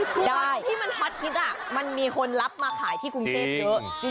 ที่มันฮอตฮิตมันมีคนรับมาขายที่กรุงเทพเยอะ